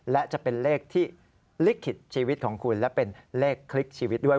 และจะเป็นเลขที่ลิขิตชีวิตของคุณและเป็นเลขคลิกชีวิตด้วย